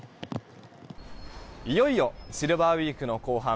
いよいよシルバーウィークの後半。